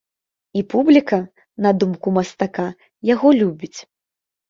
І публіка, на думку мастака, яго любіць.